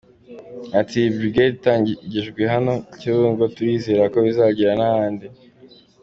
Ati “Iyi brigade itangijwe hano Kibungo, turizera ko bizagera n’ahandi.